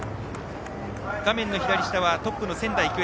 画面の左下はトップの仙台育英。